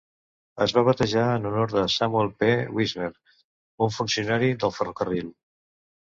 Es va batejar en honor de Samuel P. Wisner, un funcionari del ferrocarril.